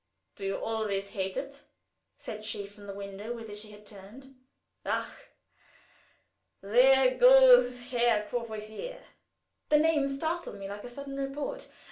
"Do you always hate it?" said she from the window, whither she had turned. "Ach! there goes Herr Courvoisier!" The name startled me like a sudden report.